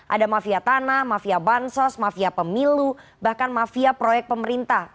ada mafia tanah mafia bansos mafia pemilu bahkan mafia proyek pemerintah